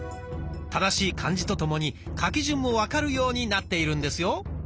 正しい漢字とともに書き順も分かるようになっているんですよ。